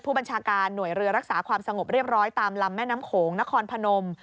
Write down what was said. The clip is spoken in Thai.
ผู้บัญชาการหน่วยเรือรักษาความสงบเรียบร้อยตามลำแม่น้ำโขงนครพนม